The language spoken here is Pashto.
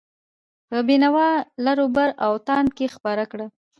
په بینوا، لراوبر او تاند کې خپره کړه.